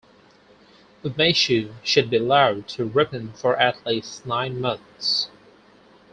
Umeshu should be allowed to ripen for at least nine months.